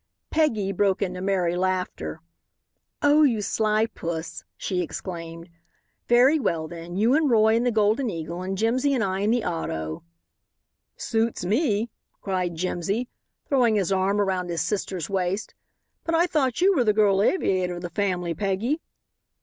Peggy broke into merry laughter. "Oh, you sly puss," she exclaimed. "Very well, then you and Roy in the Golden Eagle and Jimsy and I in the auto." "Suits me," cried Jimsy, throwing his arm around his sister's waist, "but I thought you were the girl aviator of the family, Peggy."